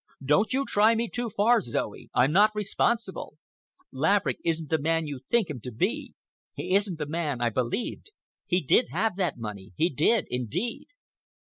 Don't you try me too far, Zoe. I'm not responsible. Laverick isn't the man you think him to be. He isn't the man I believed. He did have that money—he did, indeed."